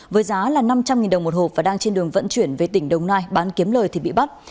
với giá là năm trăm linh đồng một hộp và đang trên đường vận chuyển về tỉnh đồng nai bán kiếm lời thì bị bắt